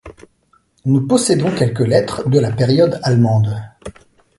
Nous possédons quelques lettres de la période allemande.